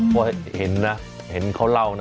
เพราะเห็นนะเห็นเขาเล่านะ